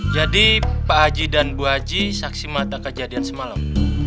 jadi pak aji dan bu aji saksi mata kejadian semalam